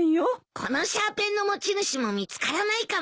このシャーペンの持ち主も見つからないかもしれないよ。